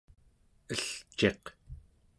Elciq